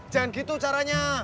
jangan gitu caranya